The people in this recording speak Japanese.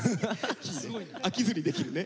飽きずにできるね。